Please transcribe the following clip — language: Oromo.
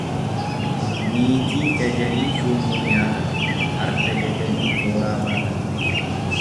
Niitii jajanii shuummoo nyaatan, farda jajanii kooraa baatan.